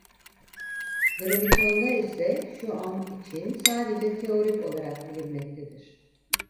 Gravitonlar ise şu an için sadece teorik olarak bilinmektedir.